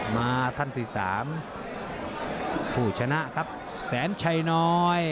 มาท่านที่สามผู้ชนะครับแสนชัยน้อย